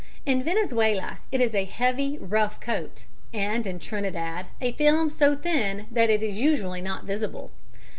In Venezuela it is a heavy, rough coat, and in Trinidad a film so thin that usually it is not visible.